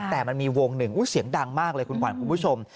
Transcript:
แต่มันมีวงหนึ่งอุ๊ยเสียงดังมากเลยคุณผู้ชม